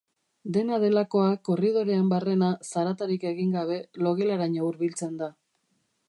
Dena delakoa korridorean barrena, zaratarik egin gabe, logelaraino hurbiltzen da.